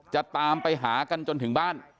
จะตามไปหากันจนถึงบ้าน